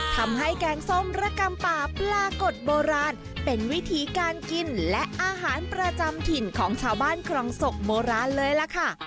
แกงส้มระกำป่าปลากดโบราณเป็นวิธีการกินและอาหารประจำถิ่นของชาวบ้านครองศกโบราณเลยล่ะค่ะ